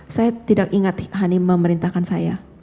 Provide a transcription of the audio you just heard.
saya tidak ingat hani memerintahkan saya